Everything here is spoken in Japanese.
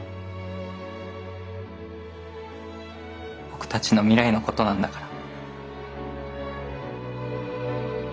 僕たちの未来のことなんだから。